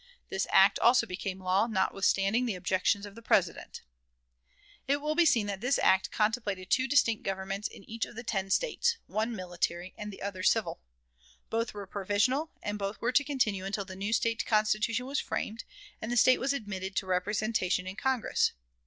This act also became a law, notwithstanding the objections of the President. It will be seen that this act contemplated two distinct governments in each of the ten States the one military and the other civil. Both were provisional, and both were to continue until the new State Constitution was framed, and the State was admitted to representation in Congress.